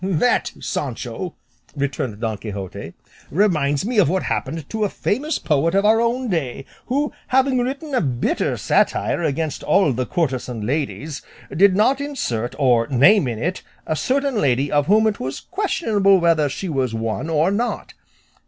"That, Sancho," returned Don Quixote, "reminds me of what happened to a famous poet of our own day, who, having written a bitter satire against all the courtesan ladies, did not insert or name in it a certain lady of whom it was questionable whether she was one or not.